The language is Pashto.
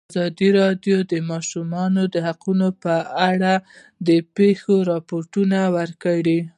ازادي راډیو د د ماشومانو حقونه په اړه د پېښو رپوټونه ورکړي.